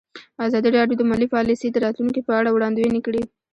ازادي راډیو د مالي پالیسي د راتلونکې په اړه وړاندوینې کړې.